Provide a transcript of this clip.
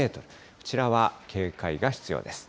こちらは警戒が必要です。